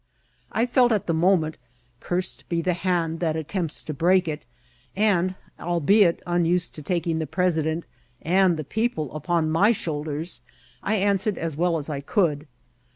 I felt at the moment, ^^ Cursed be the hand that attempts to brea^ it ;'' and albeit unused to taking the President and the people upon my shoulders, I answered as well as I could.